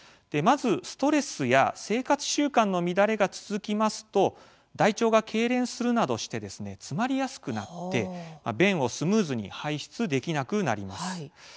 まず、ストレスや生活習慣の乱れが続きますと大腸がけいれんするなどして詰まりやすくなって便をスムーズに排出できなくなります。